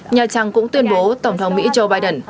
nhà trắng cũng tuyên bố tổng thống mỹ joe biden